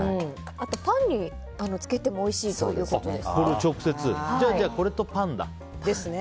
あとパンにつけてもおいしいということです。